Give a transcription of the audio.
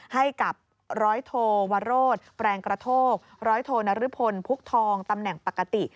ให้กับร้อยโทวโรศแปลงกระโทกร้อยโทนรพลพุกทองตำแหน่งปกติ